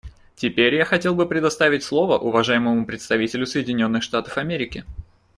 Теперь я хотел бы предоставить слово уважаемому представителю Соединенных Штатов Америки.